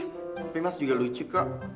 tapi mas juga lucu kak